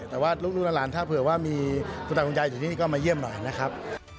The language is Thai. แต่ว่าลูกหลานถ้าเผื่อว่ามีคุณตาคุณยายอยู่ที่นี่ก็มาเยี่ยมหน่อยนะครับ